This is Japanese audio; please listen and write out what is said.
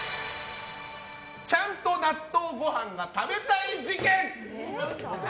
ちゃんと納豆ご飯が食べたい事件。